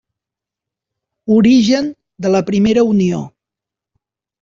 Origen de la primera Unió.